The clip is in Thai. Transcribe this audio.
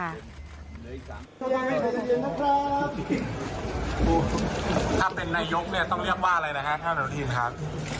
ถ้าเป็นนายกเนี่ยต้องเรียกว่าอะไรนะฮะท่านอนุทินครับ